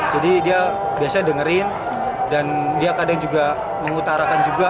jadi dia biasanya dengerin dan dia kadang juga mengutarakan juga